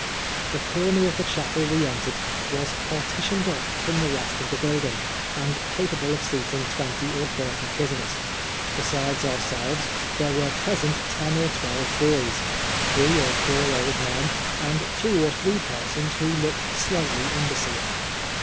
The comer of the chapel we entered was partitioned off from the rest of the building, and capable of seating twenty or thirty prisoners. Besides ourselves, there were present ten or twelve boys, three or four old men, and two or three persons who looked slightly imbecile.